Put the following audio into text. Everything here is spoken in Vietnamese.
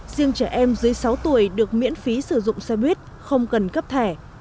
riêng trẻ em dưới sáu tuổi được miễn phí sử dụng xe buýt không cần cấp thẻ